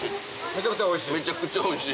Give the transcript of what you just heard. めちゃくちゃおいしい？